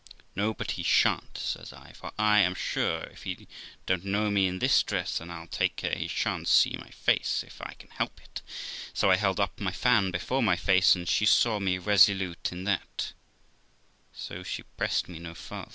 'No, but he shan't' says I; 'for I am sure he don't know me in this dress, and I'll take care he shan't see my face, if I can help it' ; so I held up my fan before my face, and she saw me resolute in that, so she pressed me no farther.